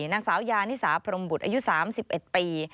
นางสาวยานิสาพรมบุตรอายุ๓๑ปี